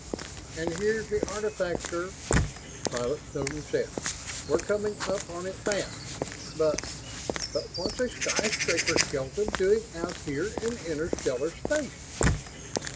"And here's the artifact, sir," Pilot Snowden said. "We're coming up on it fast. But ... but what's a skyscraper skeleton doing out here in interstellar space?"